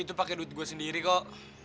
itu pakai duit gue sendiri kok